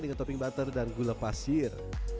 dengan topping butter dan gula pasir